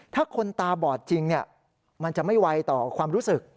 ถ้าคนตาบอดจริงมันจะไม่ไวต่อความรู้สึก